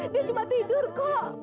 dia cuma tidur kok